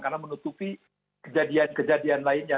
karena menutupi kejadian kejadian lainnya